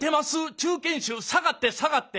中堅手下がって下がって。